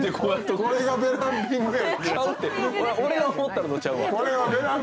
これがベランピングや。